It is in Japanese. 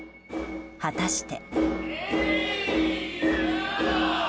果たして。